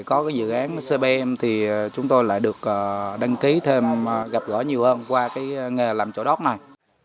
có cái dự án cbm thì chúng tôi lại được đăng ký thêm gặp gõ nhiều hơn qua cái nghề làm trồi đót này